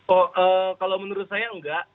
oh kalau menurut saya enggak